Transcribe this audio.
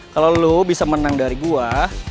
kalo lu bisa menang dari gue